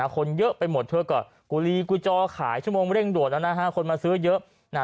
คนเยอะไปหมดเท่าก่อนกูรีกูรจอขายชั่วโมงเร่งโดดคนมาซื้อเยอะ